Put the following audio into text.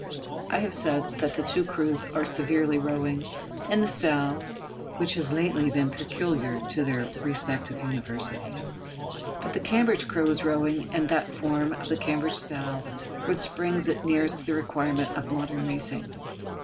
I have said that the two crews are severally rowing in the style which has lately been peculiar to their respective Universities. But the Cambridge crew is rowing in that form of the Cambridge style which brings it nearest to the requirements of modern racing.